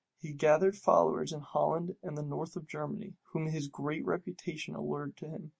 He gathered followers in Holland and the north of Germany whom his great reputation allured to him.